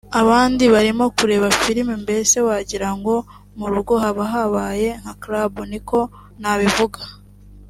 abandi barimo kureba filime mbese wagira ngo mu rugo haba habaye nka club niko nabivuga